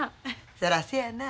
そらそやな。